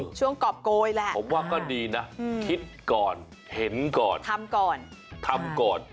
ช่วงกรอบโกยแหละผมว่าก็ดีนะคิดก่อนเห็นก่อนทำก่อนทำก่อน